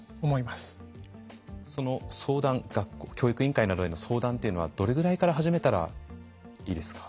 その教育委員会などへの相談っていうのはどれぐらいから始めたらいいですか？